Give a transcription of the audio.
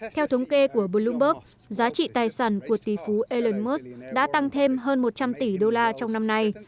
theo thống kê của bloomberg giá trị tài sản của tỷ phú elon musk đã tăng thêm hơn một trăm linh tỷ đô la trong năm nay